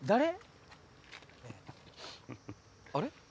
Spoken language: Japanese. あれ？